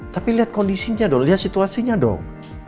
tapi lihat kondisinya dong lihat situasinya dong